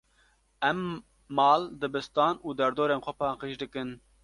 Em mal, dibistan û derdorên xwe paqij dikin.